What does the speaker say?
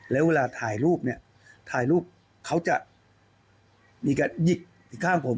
แล้วเวลาถ่ายรูปเขาจะมีการหยิบที่ข้างผม